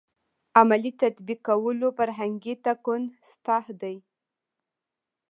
عملي تطبیقولو فرهنګي تکون سطح دی.